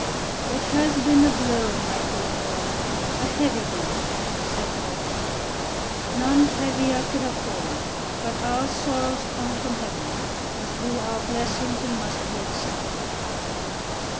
"It has been a blow, my poor boy, a heavy blow," said the rector. "None heavier could have fallen. But our sorrows come from Heaven, as do our blessings, and must be accepted."